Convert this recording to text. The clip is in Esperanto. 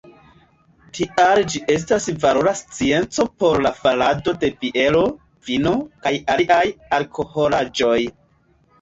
Tial ĝi estas valora scienco por la farado de biero, vino, kaj aliaj alkoholaĵoj.